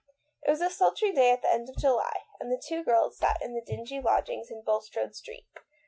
It was a sultry day at the end of July, and the two girls sat in the dingy lodgings in Bul strode Street.